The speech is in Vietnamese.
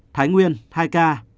thái nguyên hai ca